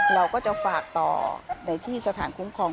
เราก็จะฝากต่อในที่สถานคุ้มครอง